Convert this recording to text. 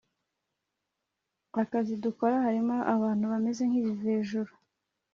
akazi dukora harimo abantu bameze nkibivejuru